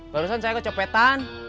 barusan saya kecopetan